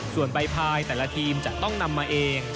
ส่วนใบพายแต่ละทีมจะต้องนำมาเอง